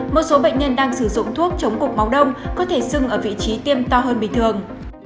một số bệnh nhân đang sử dụng thuốc chống cục máu đông có thể sưng ở vị trí tiêm to hơn bình thường